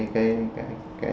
cái con người này ở từng cái